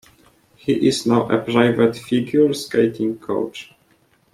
He is now a private Figure Skating coach.